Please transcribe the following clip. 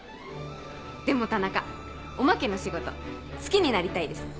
でも田中おまけの仕事好きになりたいです。